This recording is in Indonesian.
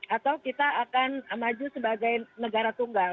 atau kita akan maju sebagai negara tunggal